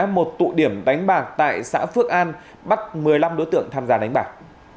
một tụ điểm đánh bạc tại xã phước an bắt một mươi năm đối tượng tham gia đánh bạc